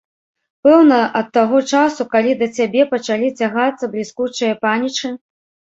Пэўна, ад таго часу, калі да цябе пачалі цягацца бліскучыя панічы?